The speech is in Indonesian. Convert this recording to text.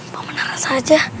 pemanah rasa aja